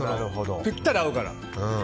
ぴったり合うから。